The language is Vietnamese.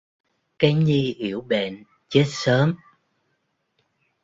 Cái nhi yểu bệnh chết sớm